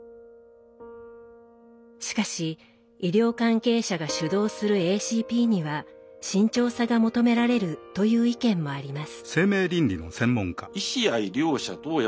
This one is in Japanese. しかし医療関係者が主導するＡＣＰには慎重さが求められるという意見もあります。